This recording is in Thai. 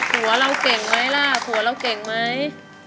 หัวเราเก่งไหมล่ะผัวเราเก่งไหม